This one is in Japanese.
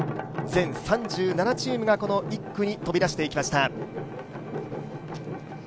全３７チームがこの１区に飛び出していきました。